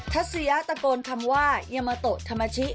ทัสเซียตะโกนคำว่ายามาโตธัมมาชิ